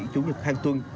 chủ nhật hàng tuần